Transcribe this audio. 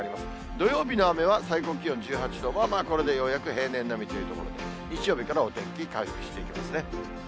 土曜日の雨は、最高気温１８度、まあまあ、これでようやく平年並みというところで、日曜日からはお天気回復していきますね。